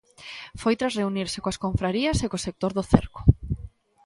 Foi tras reunirse coas confrarías e co sector do cerco.